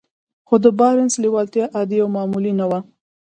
خو د بارنس لېوالتیا عادي او معمولي نه وه.